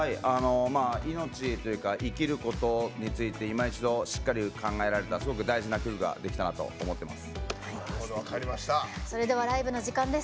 命というか生きることをいま一度、しっかり考えられたすごく大事な曲ができたなと思います。